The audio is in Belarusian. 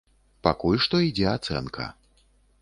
Пакуль што ідзе ацэнка.